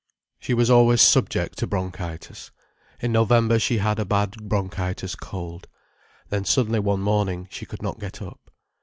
She was always subject to bronchitis. In November she had a bad bronchitis cold. Then suddenly one morning she could not get up.